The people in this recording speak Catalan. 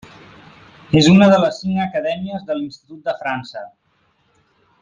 És una de les cinc acadèmies de l'Institut de França.